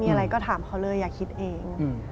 อะไรก็ถามเขาเลยอย่าคิดเอง